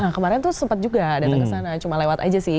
kemarin tuh sempat juga datang ke sana cuma lewat aja sih